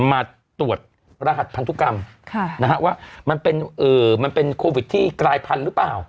มาตรวจรหัสพันธุกรรมว่ามันเป็นโควิดที่กลายพันธุ์หรือเปล่า